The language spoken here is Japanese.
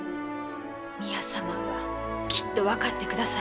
宮様はきっと分かってくださいます。